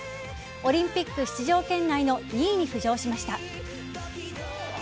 オリンピック出場圏内の２位に浮上しました。